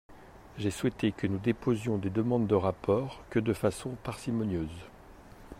J’ai souhaité que nous ne déposions de demandes de rapport que de façon parcimonieuse.